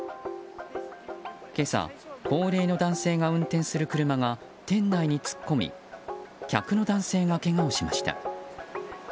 今朝、高齢の男性が運転する車が店内に突っ込み客の男性が、けがをしました。